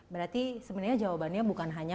berarti sebenarnya jawabannya bukan hanya